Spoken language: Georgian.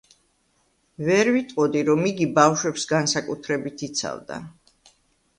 ვერ ვიტყოდი, რომ იგი ბავშვებს განსაკუთრებით იცავდა.